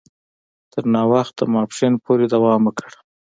تر ناوخته ماپښین پوري دوام وکړ.